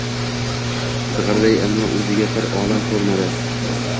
Zig’irday ilmi o’ziga bir olam ko’rinadi